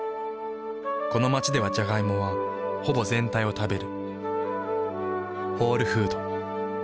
この街ではジャガイモはほぼ全体を食べる。